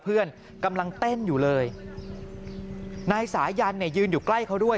เพื่อนกำลังเต้นอยู่เลยนายสายันเนี่ยยืนอยู่ใกล้เขาด้วย